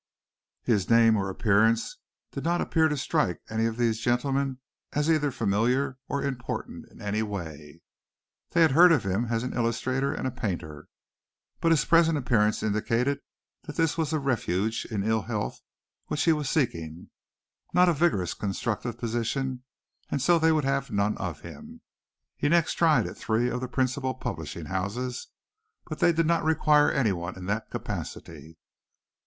His name or appearance did not appear to strike any of these gentlemen as either familiar or important in any way. They had heard of him as an illustrator and a painter, but his present appearance indicated that this was a refuge in ill health which he was seeking, not a vigorous, constructive position, and so they would have none of him. He next tried at three of the principal publishing houses, but they did not require anyone in that capacity.